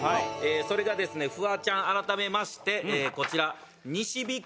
それがフワちゃん改めましてこちら。